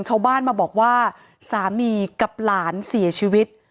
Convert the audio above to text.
ชาวบ้านมาบอกว่าสามีกับหลานเสียชีวิต